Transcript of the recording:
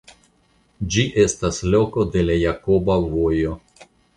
Ĝi estas loko de la Jakoba Vojo.